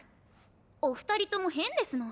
お二人とも変ですの。